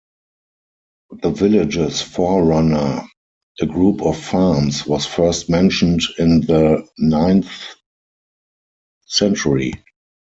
The village's forerunner, a group of farms, was first mentioned in the ninth century.